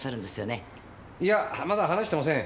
いやまだ話してません。